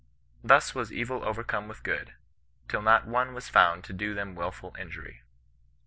Thus was evil overcome with good ; till not one was found to do them wilful injury.